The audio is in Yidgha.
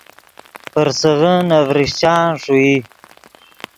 پرسیغے نے ڤرچان ݰوئی